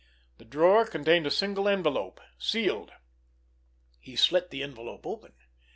The drawer contained a single envelope, sealed. He slit the envelope open.